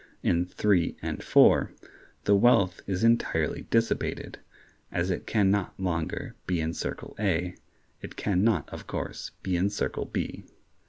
In (3) and (4) the wealth is entirely dissipated; as it can not longer be in circle A, it can not, of course, be in circle B.